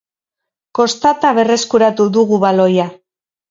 Kostata berreskuratu dugu baloia.